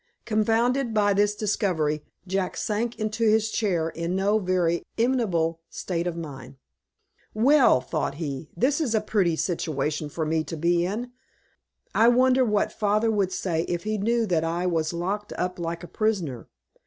Confounded by this discovery, Jack sank into his chair in no very enviable state of mind. "Well," thought he, "this is a pretty situation for me to be in! I wonder what father would say if he knew that I was locked up like a prisoner.